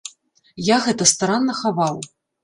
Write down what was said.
Я гэта старанна хаваў.